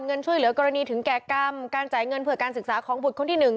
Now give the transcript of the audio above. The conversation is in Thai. เงินช่วยเหลือกรณีถึงแก่กรรมการจ่ายเงินเพื่อการศึกษาของบุตรคนที่หนึ่ง